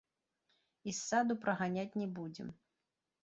І з саду праганяць не будзем.